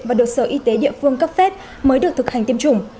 và được sở y tế địa phương cấp phép mới được thực hành tiêm chủng